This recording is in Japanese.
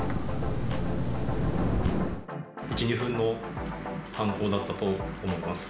１、２分の犯行だったと思います。